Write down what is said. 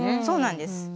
そうなんです。